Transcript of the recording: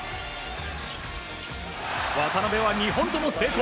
渡邊は２本とも成功！